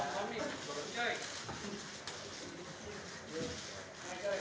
yang terakhir adalah